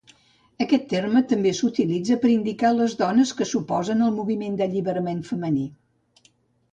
Aquest terme també s'utilitza per indicar les dones que s'oposen al moviment d'alliberament femení.